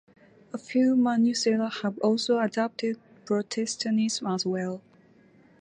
A few Manusela have also adopted Protestanism as well.